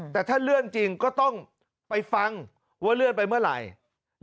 แต่ถ้าเลื่อนจริงก็ต้องไปฟังว่าเลื่อนไปเมื่อไหร่